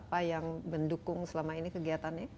apa yang mendukung selama ini kegiatannya